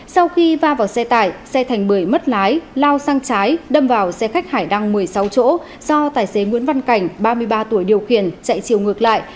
sau khi va vào xe tải xe thành bưởi mất lái lao sang trái đâm vào xe khách hải đăng một mươi sáu chỗ do tài xế nguyễn văn cảnh ba mươi ba tuổi điều khiển chạy chiều ngược lại